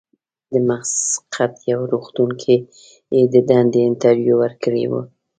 د مسقط یوه روغتون کې یې د دندې انټرویو ورکړې وه.